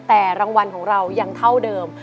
แต่รางวัลของเรายังเท่าเดิม